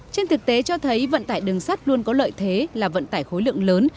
trên thực tế cho thấy vận tải đường sắt luôn có lợi thế là vận tải khối lượng lớn